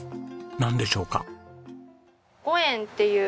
なんでしょうか？